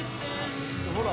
ほら！